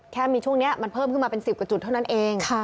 แค่มีช่วงนี้มันเผินมาสิบกับจุดแท้นั่นเอง